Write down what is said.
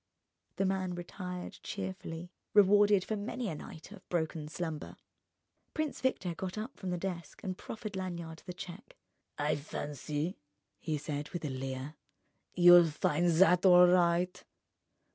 The man retired cheerfully, rewarded for many a night of broken slumber. Prince Victor got up from the desk and proffered Lanyard the cheque. "I fancy," he said with a leer, "you'll find that all right."